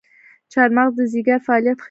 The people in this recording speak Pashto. چارمغز د ځیګر فعالیت ښه کوي.